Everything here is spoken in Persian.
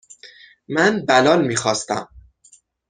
من بلال میخواستم.